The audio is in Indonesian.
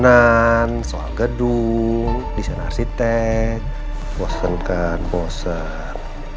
aduh desain arsitek bosen kan bosen